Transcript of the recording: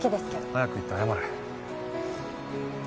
早く行って謝れ。